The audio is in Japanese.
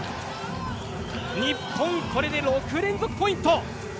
日本、これで６連続ポイント。